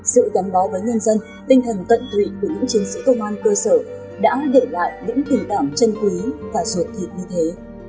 sự gắn bó với nhân dân tinh thần tận tụy của những chiến sĩ công an cơ sở đã để lại những tình cảm chân quý và ruột thịt như thế